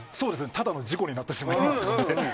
ただの事故になってしまいますのでね。